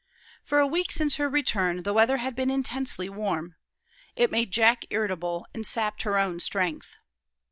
For a week since her return the weather had been intensely warm. It made Jack irritable, and sapped her own strength.